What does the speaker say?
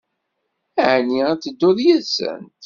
Ɛni ad tedduḍ yid-sent?